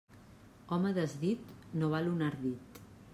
Home desdit no val un ardit.